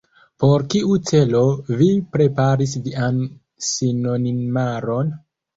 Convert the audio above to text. Por kiu celo vi preparis vian sinonimaron?